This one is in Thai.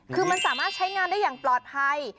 คือมันสามารถใช้งานได้อย่างปลอดภัย